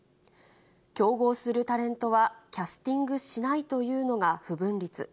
競合するタレントはキャスティングしないというのが不文律。